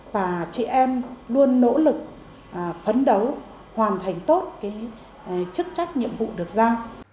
và chị em luôn nỗ lực phấn đấu hoàn thành tốt chức trách nhiệm vụ được ra